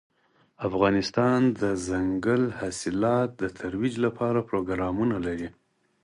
افغانستان د دځنګل حاصلات د ترویج لپاره پروګرامونه لري.